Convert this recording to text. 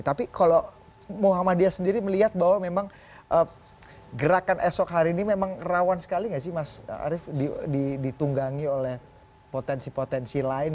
tapi kalau muhammadiyah sendiri melihat bahwa memang gerakan esok hari ini memang rawan sekali gak sih mas arief ditunggangi oleh potensi potensi lain